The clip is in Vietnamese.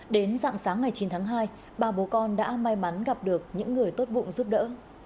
đến dạng sáng ngày chín tháng hai ba bố con đã may mắn gặp được những người tốt bụng giúp đỡ